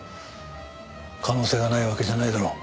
可能性がないわけじゃないだろう。